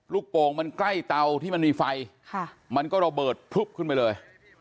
โป่งมันใกล้เตาที่มันมีไฟมันก็ระเบิดพลึบขึ้นไปเลย